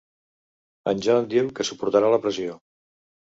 En Jon diu que suportarà la pressió.